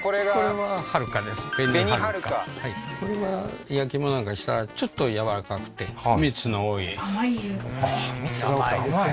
はるかこれは焼き芋なんかにしたらちょっと軟らかくて蜜の多い甘いよ